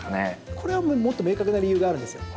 これはもっと明確な理由があるんですよ。